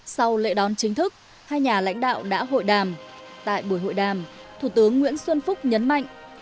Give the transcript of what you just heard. sau lễ đón chính thức hai nhà lãnh đạo đã hội đàm tại buổi hội đàm thủ tướng nguyễn xuân phúc nhấn mạnh